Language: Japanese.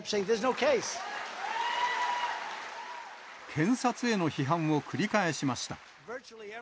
検察への批判を繰り返しました。